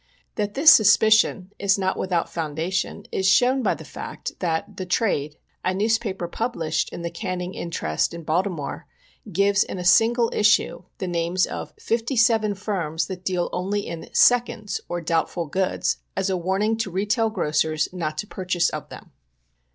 That this suspicion is not without foundation is shown by the fact that The Trade, a newspaper published in the canning interest in Baltimore, gives, in a single issue, the names of fifty seven firms that deal only in " seconds," or doubtful goods, as a warning to retail grocers not to purchase of them.